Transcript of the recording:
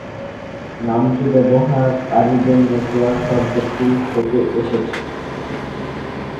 নামটি "ব্যবহারকারীদের নেটওয়ার্ক" শব্দটি থেকে এসেছে।